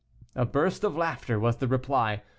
A burst of laughter was the reply.